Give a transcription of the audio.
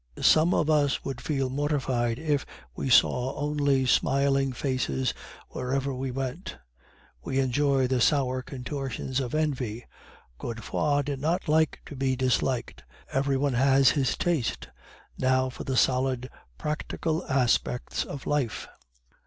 "Some of us would feel mortified if we saw only smiling faces wherever we went; we enjoy the sour contortions of envy. Godefroid did not like to be disliked. Every one has his taste. Now for the solid, practical aspects of life!